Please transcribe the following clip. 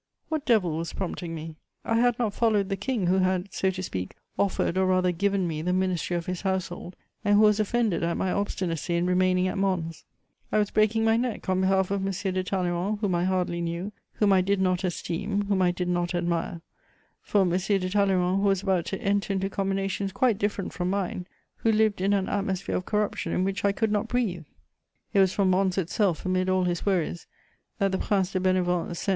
What devil was prompting me? I had not followed the King, who had, so to speak, offered or rather given me the ministry of his Household and who was offended at my obstinacy in remaining at Mons: I was breaking my neck on behalf of M. de Talleyrand whom I hardly knew, whom I did not esteem, whom I did not admire; for M. de Talleyrand who was about to enter into combinations quite different from mine, who lived in an atmosphere of corruption in which I could not breathe! [Sidenote: I neglect fortune.] It was from Mons itself, amid all his worries, that the Prince de Bénévent sent M.